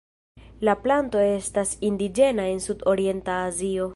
La planto estas indiĝena en sud-orienta Azio.